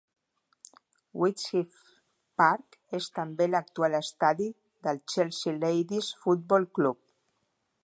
Wheatsheaf Park és també l'actual estadi del Chelsea Ladies Football Club.